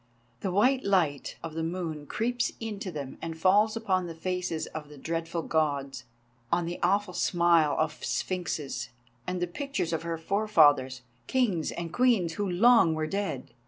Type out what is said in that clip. The white light of the moon creeps into them and falls upon the faces of the dreadful Gods, on the awful smile of sphinxes, and the pictures of her forefathers, kings and queens who long were dead.